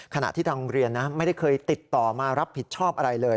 ขณะที่ทางโรงเรียนนะไม่ได้เคยติดต่อมารับผิดชอบอะไรเลย